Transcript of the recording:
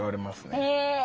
へえ。